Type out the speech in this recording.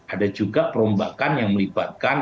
ada juga perombakan yang melibatkan